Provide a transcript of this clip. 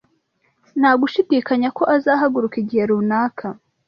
Nta gushidikanya ko azahaguruka igihe runaka.